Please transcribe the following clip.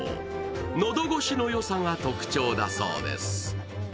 喉越しのよさが特徴だそうです。